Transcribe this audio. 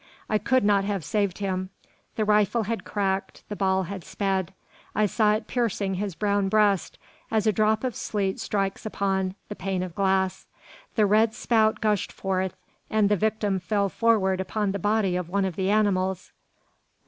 I could not have saved him. The rifle had cracked, the ball had sped. I saw it piercing his brown breast, as a drop of sleet strikes upon the pane of glass; the red spout gushed forth, and the victim fell forward upon the body of one of the animals.